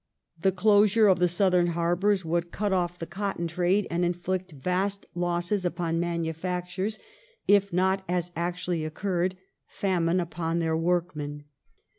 The closure of the Southern harbours would cut off the cotton trade, and ^2 LIFE OF VISCOUNT PALMEE8T0N. inflict vast losses upon manufactorers, if not, as actually occurred, famine upon their workmen.